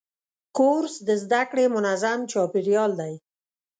کورس د زده کړې منظم چاپېریال دی.